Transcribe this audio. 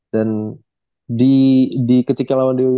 dan di di ketika lawan di